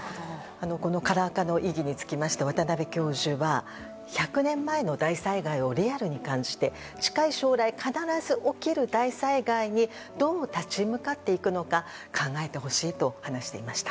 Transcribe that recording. このカラー化の意義につきまして渡邉教授は１００年前の大災害をリアルに感じて近い将来、必ず起きる大災害にどう立ち向かっていくのか考えてほしいと話していました。